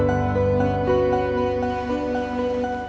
itu yang kamu mau